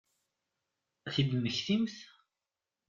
Ad t-id-temmektimt?